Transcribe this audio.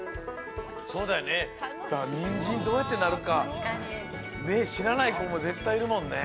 そうだよねだからにんじんどうやってなるかしらない子もぜったいいるもんね。